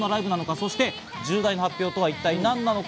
そして重大発表とは何なのか？